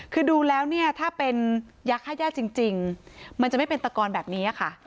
คือดูแล้วเนี่ยถ้าเป็นยักษ์๕แยกจริงมันจะไม่เป็นตะกอนแบบนี้ค่ะ